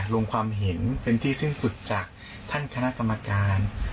ลงความเห็นเป็นที่สิ้นสุดจากท่านคณะกรรมการ